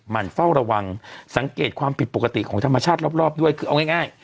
มันเฝ้าระวังสังเกตความผิดปกติของธรรมชาติรอบด้วยคือเอาง่าย